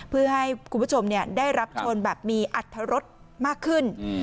เพื่อให้คุณผู้ชมได้รับชนแบบมีอัตรรสมากขึ้น